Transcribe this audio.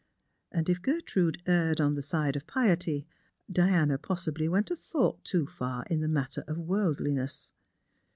And if Gertrude erred on the side of piety, Diana possibly went a thought too far in the matter of worldliness.